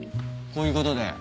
こういうことで。